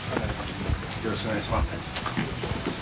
・よろしくお願いします。